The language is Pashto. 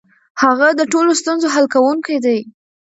هغه د ټولو ستونزو حل کونکی دی.